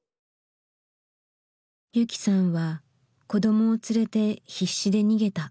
雪さんは子どもを連れて必死で逃げた。